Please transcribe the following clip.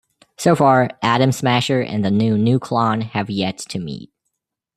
So far, Atom Smasher and the new Nuklon have yet to meet.